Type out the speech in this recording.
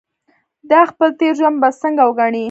دا خپل تېر ژوند به څنګه وګڼي.